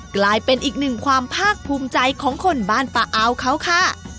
กลายเป็นอีกหนึ่งความภาคภูมิใจของคนบ้านปะเอาเขาค่ะ